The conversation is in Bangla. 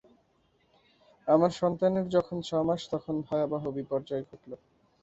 আমার সন্তানের যখন ছমাস তখন ভয়াবহ বিপর্যয় ঘটল।